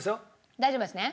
大丈夫ですね？